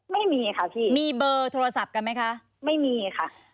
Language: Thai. ไม่มีค่ะพี่มีเบอร์โทรศัพท์กันไหมคะไม่มีค่ะ